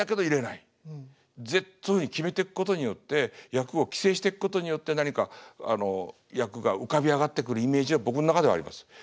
そういうふうに決めていくことによって役を規制していくことによって何か役が浮かび上がってくるイメージは僕ん中ではあります。